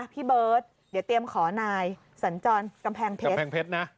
พี่เบิร์ตเดี๋ยวเตรียมขอนายสัญจรกำแพงเพชร